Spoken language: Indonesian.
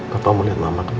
kata mau liat mama dulu